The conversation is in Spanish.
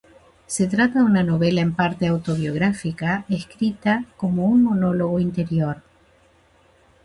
Se trata de una novela en parte autobiográfica escrita como un monólogo interior.